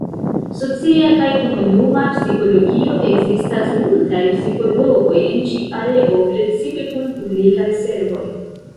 Socia kaj Komunuma Psikologio: Ekzistas multaj psikologoj en ĉi areo, precipe kun publikaj servoj.